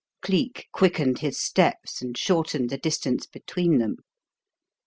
Cleek quickened his steps and shortened the distance between them.